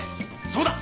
そうだ！